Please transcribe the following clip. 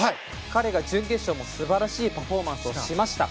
彼が準決勝も素晴らしいパフォーマンスをしました。